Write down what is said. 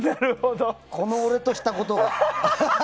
この俺としたことが。